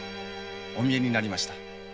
お見えになりました。